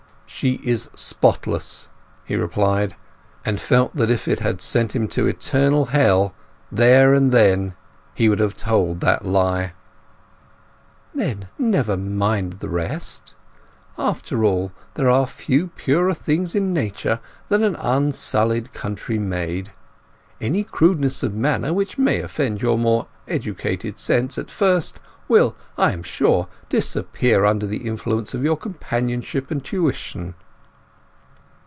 "She is spotless!" he replied; and felt that if it had sent him to eternal hell there and then he would have told that lie. "Then never mind the rest. After all, there are few purer things in nature then an unsullied country maid. Any crudeness of manner which may offend your more educated sense at first, will, I am sure, disappear under the influence or your companionship and tuition."